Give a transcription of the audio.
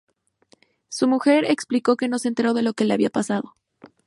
Su mujer explicó que no se enteró de lo que le había pasado.